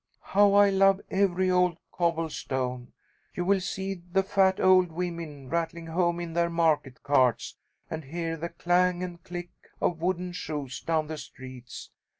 How I love every old cobblestone! You will see the fat old women rattling home in their market carts, and hear the clang and click of wooden shoes down the streets.